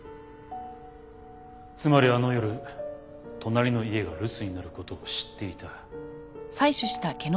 つまりあの夜隣の家が留守になる事を知っていた。